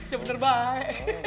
ya bener baik